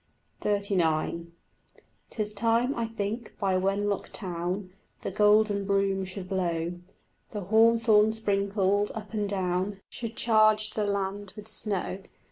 XXXIX 'Tis time, I think by Wenlock town The golden broom should blow; The hawthorn sprinkled up and down Should charge the land with snow.